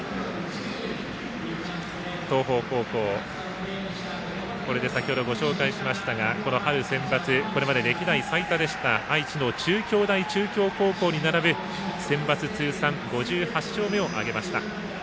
東邦高校、これで先ほどご紹介しましたがこの春センバツこれまで歴代最多でした愛知の中京大中京高校に並ぶセンバツ通算５８勝目を挙げました。